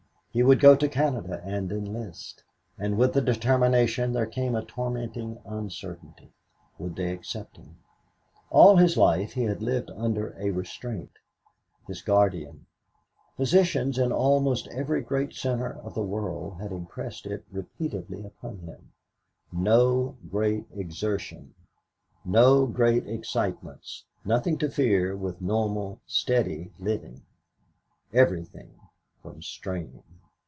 He would go to Canada and enlist. And with the determination there came a tormenting uncertainty. Would they accept him? All his life he had lived under a restraint his guardian physicians in almost every great center of the world had impressed it repeatedly upon him: "No great exertion, no great excitements. Nothing to fear with normal, steady living, everything from strain."